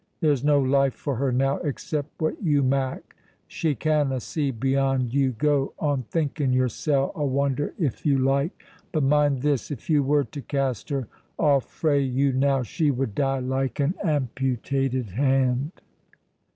There's no life for her now except what you mak'; she canna see beyond you. Go on thinking yoursel' a wonder if you like, but mind this: if you were to cast her off frae you now, she would die like an amputated hand."